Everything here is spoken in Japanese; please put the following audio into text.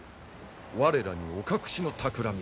我らにお隠しのたくらみが。